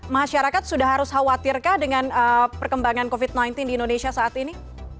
masyarakat sudah harus khawatirkah dengan perkembangan covid sembilan belas di indonesia saat ini